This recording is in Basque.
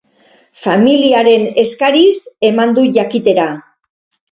Familiaren eskariz eman du jakitera.